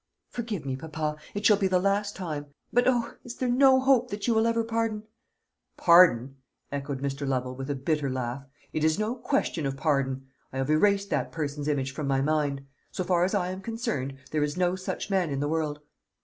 "Forgive me, papa; it shall be the last time. But O, is there no hope that you will ever pardon " "Pardon," echoed Mr. Lovel, with a bitter laugh; "it is no question of pardon. I have erased that person's image from my mind. So far as I am concerned, there is no such man in the world.